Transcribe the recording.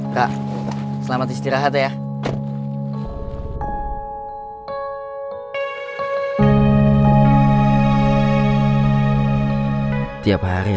kak selamat istirahat ya